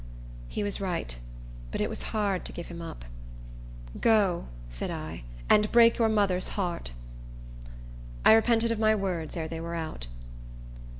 He was right; but it was hard to give him up. "Go," said I, "and break your mother's heart." I repented of my words ere they were out.